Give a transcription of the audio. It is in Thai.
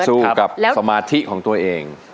สู้กับสมาธิของตัวเอง